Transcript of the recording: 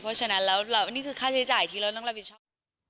เพราะฉะนั้นแล้วนี่คือค่าใช้จ่ายที่เราต้องรับผิดชอบ